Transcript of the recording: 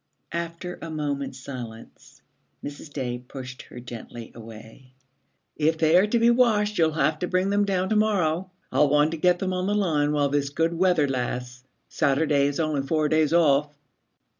After a moment's silence Mrs. Day pushed her gently away. 'If they are to be washed you'll have to bring them down to morrow. I'll want to get them on the line while this good weather lasts. Saturday is only four days off.'